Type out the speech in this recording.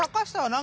何？